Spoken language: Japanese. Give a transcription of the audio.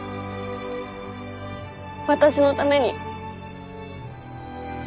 私のために。